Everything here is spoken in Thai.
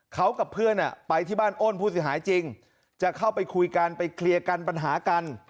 เขากับเพื่อนไปที่บ้านอ้นผู้เสียหายจริงจะเข้าไปคุยกันไปเคลียร์กันปัญหากัน